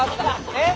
えっ？